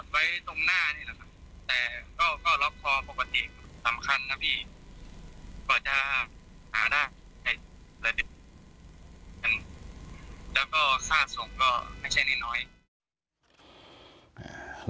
แล้วก็ซ่าส่งก็ไม่ใช่นิดหน่อย